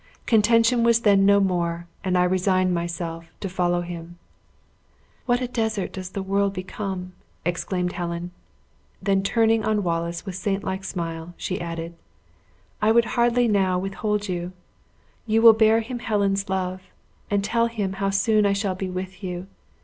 Contention was then no more, and I resigned myself, to follow him." "What a desert does the world become!" exclaimed Helen; then turning on Wallace with a saint like smile, she added, "I would hardly now withhold you. You will bear him Helen's love, and tell him how soon I shall be with you.